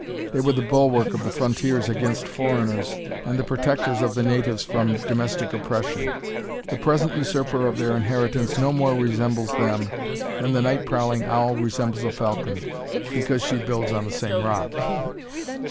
They were the bulwark of the frontiers against foreigners, and the protectors of the natives from domestic oppression. The present usurper of their inheritance no more resembles them, than the night prowling owl resembles a falcon, because she builds on the same rock."